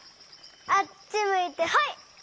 あっちむいてホイ！